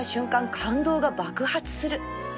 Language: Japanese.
感動が爆発する